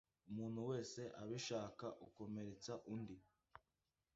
Umuntu wese abishaka ukomeretsa undi